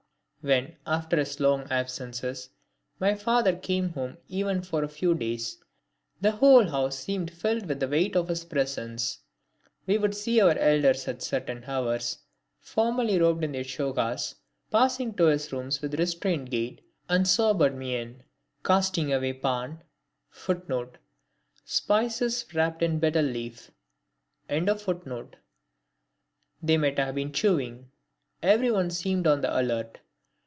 When, after his long absences, my father came home even for a few days, the whole house seemed filled with the weight of his presence. We would see our elders at certain hours, formally robed in their chogas, passing to his rooms with restrained gait and sobered mien, casting away any pan they might have been chewing. Everyone seemed on the alert.